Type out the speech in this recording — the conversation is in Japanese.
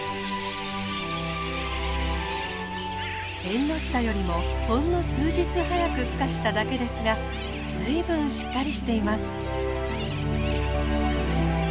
エンノシタよりもほんの数日早くふ化しただけですがずいぶんしっかりしています。